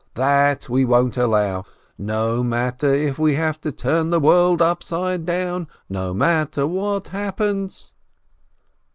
That we won't allow ! No matter if we have to turn the world upside down, no matter what happens